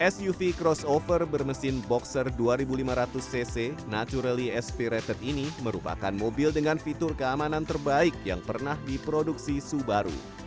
suv crossover bermesin boxer dua ribu lima ratus cc naturally aspirated ini merupakan mobil dengan fitur keamanan terbaik yang pernah diproduksi subaru